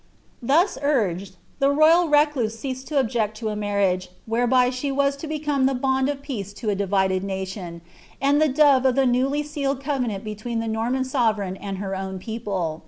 * Thus urged, the royal recluse ceased to object to a marriage, whereby ■he was to become the bond of peace to a divided nation, and the dove of the newly sealed covenant between the Norman sovereign and her own people.